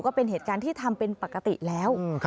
ก็เป็นเหตุการณ์ที่ทำเป็นปกติแล้ว